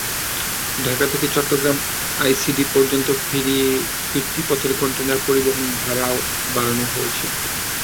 ঢাকা থেকে চট্টগ্রামের আইসিডি পর্যন্ত ফিরতি পথের কনটেইনার পরিবহন ভাড়াও বাড়ানো হয়েছে।